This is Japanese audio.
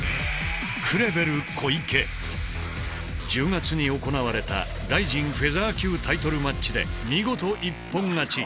１０月に行われたＲＩＺＩＮフェザー級タイトルマッチで見事一本勝ち。